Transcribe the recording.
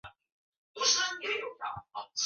属于第四收费区。